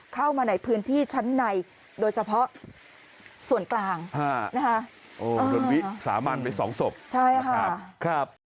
เข้ามาในพื้นที่ชั้นในโดยเฉพาะส่วนกลางโดนวิสามันไปสองศพใช่ค่ะครับ